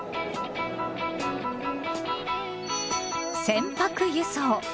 「船舶輸送」。